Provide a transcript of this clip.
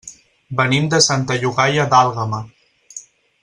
Venim de Santa Llogaia d'Àlguema.